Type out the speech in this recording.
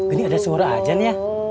ini ada suara ajan ya